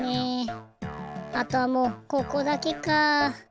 あとはもうここだけか。